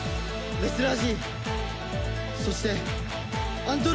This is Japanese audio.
レスラー！